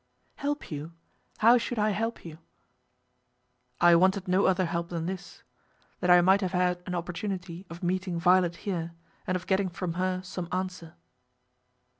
"Help you? How should I help you?" "I wanted no other help than this, that I might have had an opportunity of meeting Violet here, and of getting from her some answer."